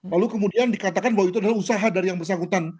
lalu kemudian dikatakan bahwa itu adalah usaha dari yang bersangkutan